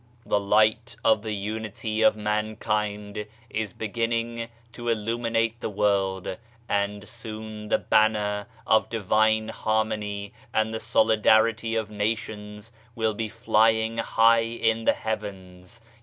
The Light ioo PAIN AND SORROW of the Unity of Mankind is beginning to illumine the world, and soon the banner of Divine Harmony and the solidarity of nations will be flying high in the Heavens.